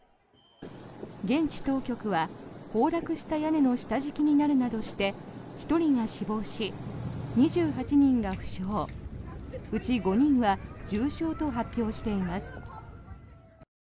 現地当局は、崩落した屋根の下敷きになるなどして１人が死亡し、２８人が負傷うち５人は重傷と発表しています。